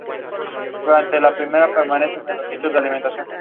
La intervención papal pacificó dicha situación.